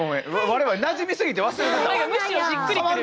我々なじみすぎて忘れてたわ。